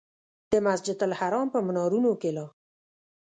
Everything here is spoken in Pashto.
د مسجدالحرام په منارونو کې لا.